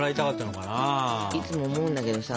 いつも思うんだけどさ